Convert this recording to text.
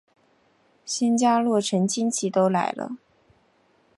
新家落成亲戚都来了